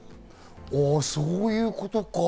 そういうことか。